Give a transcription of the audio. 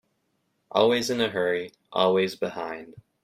Always in a hurry, always behind.